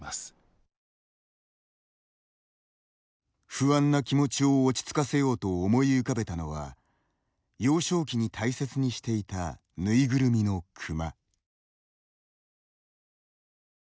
不安な気持ちを落ち着かせようと思い浮かべたのは幼少期に大切にしていたぬいぐるみの熊。